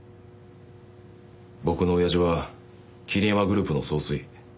僕の親父は桐山グループの総帥。